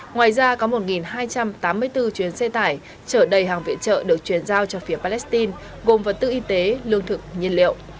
ngoài ra có một hai trăm tám mươi bốn chuyến xe tải trở đầy hàng viện trợ được truyền giao cho phía palestine gồm vật tư y tế lương thực nhiên liệu